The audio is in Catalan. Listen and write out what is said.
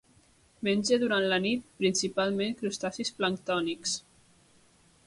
Menja, durant la nit, principalment crustacis planctònics.